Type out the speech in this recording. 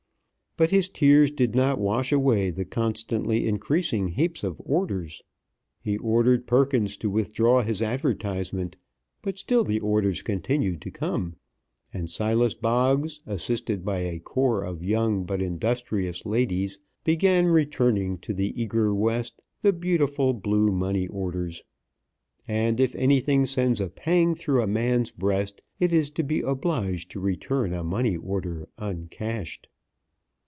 But his tears did not wash away the constantly increasing heaps of orders. He ordered Perkins to withdraw his advertisement, but still the orders continued to come, and Silas Boggs, assisted by a corps of young, but industrious, ladies, began returning to the eager West the beautiful blue money orders; and, if anything sends a pang through a man's breast, it is to be obliged to return a money order uncashed.